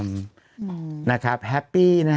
มันเหมือนอ่ะ